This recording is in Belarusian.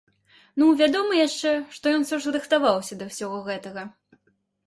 Ну вядома яшчэ, што ён усё ж рыхтаваўся да ўсяго гэтага.